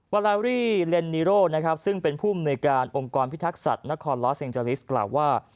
วาลาวรี่เล็นนีโร่ซึ่งเป็นผู้อำนวยการองค์กรพิทักษัตริย์นครลอสเอ็งเจอลิสกล่าวว่า